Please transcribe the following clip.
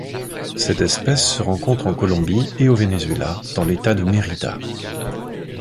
Cette espèce se rencontre en Colombie et au Venezuela dans l'État de Mérida.